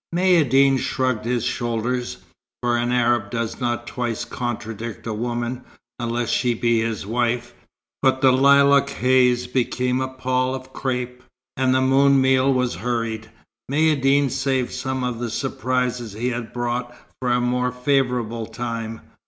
Maïeddine shrugged his shoulders, for an Arab does not twice contradict a woman, unless she be his wife. But the lilac haze became a pall of crape, and the noon meal was hurried. Maïeddine saved some of the surprises he had brought for a more favourable time.